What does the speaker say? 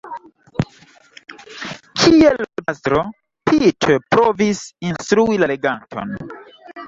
Kiel pastro Peter provis instrui la leganton.